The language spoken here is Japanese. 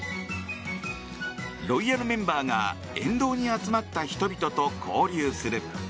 ロイヤルメンバーが沿道に集まった人々と交流する。